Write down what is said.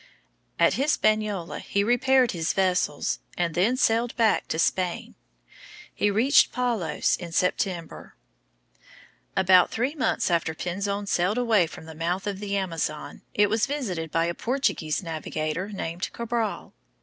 At Hispaniola he repaired his vessels, and then sailed back to Spain. He reached Palos in September. About three months after Pinzon sailed away from the mouth of the Amazon it was visited by a Portuguese navigator named Cabral.